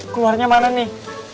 keluarnya mana nih